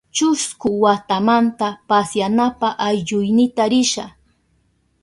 Chusku watamanta pasyanapa aylluynita risha.